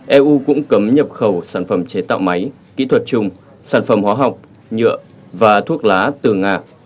eu cũng cấm nhập khẩu sản phẩm chế tạo máy kỹ thuật chung sản phẩm hóa học nhựa và thuốc lá từ nga